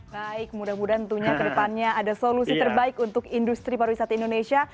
baik mudah mudahan tentunya ke depannya ada solusi terbaik untuk industri pariwisata indonesia